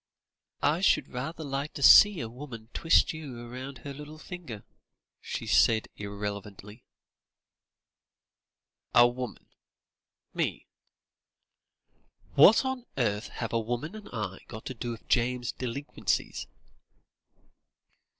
"I should rather like to see a woman twist you round her little finger," she said irrelevantly. "A woman me? What on earth have a woman and I got to do with James's delinquencies?"